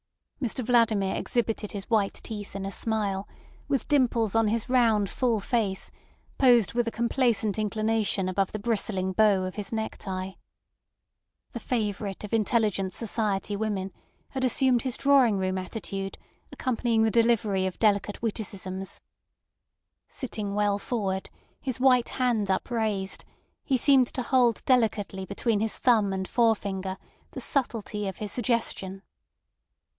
Mr Vladimir exhibited his white teeth in a smile, with dimples on his round, full face posed with a complacent inclination above the bristling bow of his neck tie. The favourite of intelligent society women had assumed his drawing room attitude accompanying the delivery of delicate witticisms. Sitting well forward, his white hand upraised, he seemed to hold delicately between his thumb and forefinger the subtlety of his suggestion.